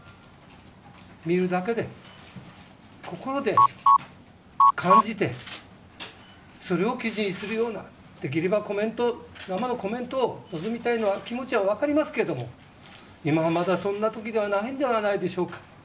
見るだけで、心で感じてそれを記事にするようなできれば生のコメントを望みたいのは、気持ちは分かりますけれども、今は、まだそんなときではないのではないでしょうか。